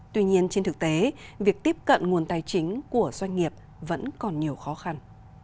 tuy nhiên trên thực tế việc tiếp cận nguồn tài chính của doanh nghiệp vẫn còn nhiều khó khăn